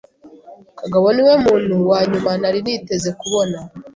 Kagabo niwe muntu wa nyuma nari niteze kubona.